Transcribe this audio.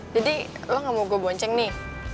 jadi lo gak mau gue bonceng nih